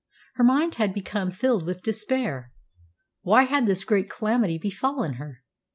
Her mind had become filled with despair. Why had this great calamity befallen her?